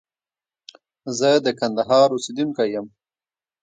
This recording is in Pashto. زه د کندهار اوسيدونکي يم.